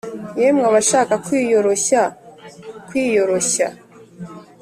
yemwe abashaka kwiyoroshya, kwiyoroshya!